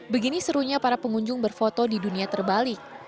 begini serunya para pengunjung berfoto di dunia terbalik